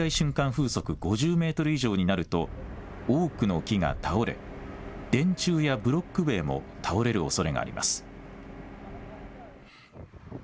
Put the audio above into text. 風速５０メートル以上になると多くの木が倒れ電柱やブロック塀も倒れるおそれがあります。